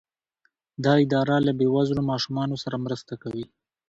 دا اداره له بې وزلو ماشومانو سره مرسته کوي.